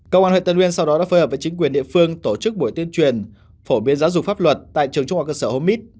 công an huyện tân uyên sau đó đã phơi hợp với chính quyền địa phương tổ chức buổi tiên truyền phổ biến giáo dục pháp luật tại trường trung học cơ sở hố mít